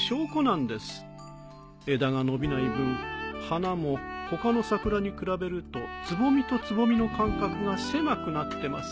枝が伸びない分花も他の桜に比べるとつぼみとつぼみの間隔が狭くなってますし。